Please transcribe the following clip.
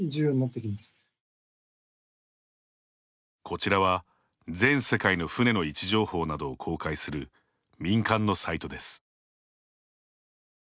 こちらは、全世界の船の位置情報などを公開する民間のサイトです。